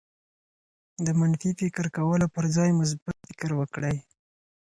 د منفي فکر کولو پر ځای مثبت فکر وکړئ.